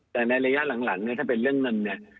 แต่ในระยะหลังถ้าเป็นเรื่องนั้นเนี่ย